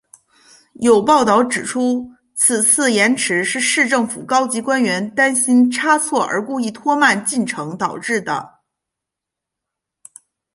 有报导指出此次延迟是市政府高级官员担心差错而故意拖慢进程导致的。